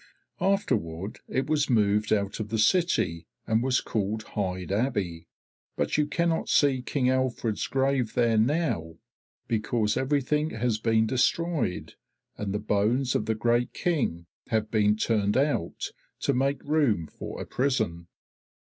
Afterward it was moved out of the city and was called Hyde Abbey. But you cannot see King Alfred's grave there now, because everything has been destroyed, and the bones of the great King have been turned out, to make room for a prison.